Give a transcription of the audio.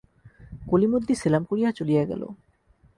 কলিমদ্দি সেলাম করিয়া চলিয়া গেল।